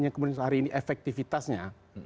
yang kemudian sehari ini efektifitasnya